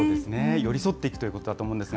寄り添っていくということだと思うんですが。